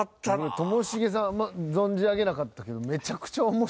ともしげさん存じ上げなかったけどめちゃくちゃ面白いね。